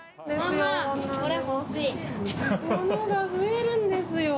物が増えるんですよ。